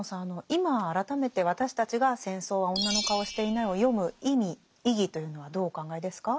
今改めて私たちが「戦争は女の顔をしていない」を読む意味意義というのはどうお考えですか？